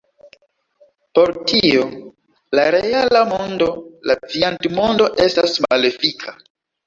Por tio, la reala mondo, la viandmondo, estas malefika.